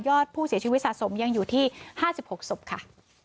อดผู้เสียชีวิตสะสมยังอยู่ที่๕๖ศพค่ะ